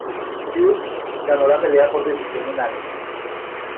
Hughes ganó la pelea por decisión unánime.